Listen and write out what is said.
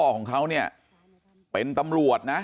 เคยเป็นอดีตตำรวจนะฮะ